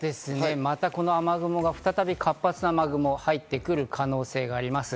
また再び活発な雨雲が入ってくる可能性があります。